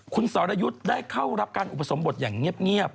คุณสรยุทธ์ได้เข้ารับการอุปสมบทอย่างเงียบ